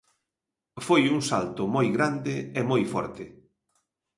Foi un salto moi grande e moi forte.